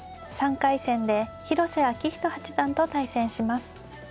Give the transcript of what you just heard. ３回戦で広瀬章人八段と対戦します。